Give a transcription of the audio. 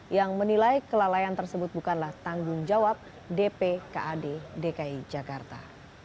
yang menilai kelalaian tersebut bukanlah tanggung jawab dpkad dki jakarta